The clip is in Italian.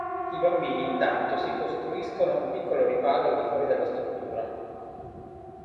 I bambini, intanto, si costruiscono un piccolo riparo al di fuori della struttura.